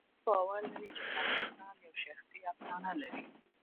هغه باور لري چې هر انسان یوه شخصي افسانه لري.